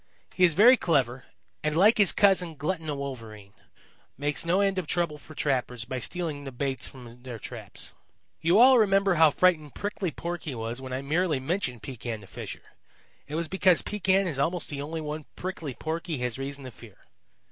He is very clever and, like his cousin, Glutton the Wolverine, makes no end of trouble for trappers by stealing the baits from their traps. "You all remember how frightened Prickly Porky was when I merely mentioned Pekan the Fisher. It was because Pekan is almost the only one Prickly Porky has reason to fear.